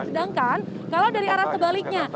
sedangkan kalau dari arah sebaliknya